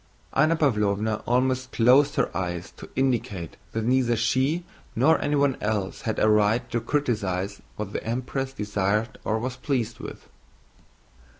Anna Pávlovna almost closed her eyes to indicate that neither she nor anyone else had a right to criticize what the Empress desired or was pleased with.